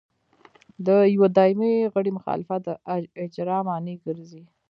د یوه دایمي غړي مخالفت د اجرا مانع ګرځي.